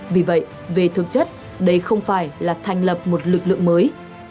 vì vậy về thực chất đây không phải là thành lập một lực lượng mới